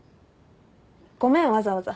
ごめんわざわざ。